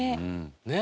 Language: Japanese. ねえ。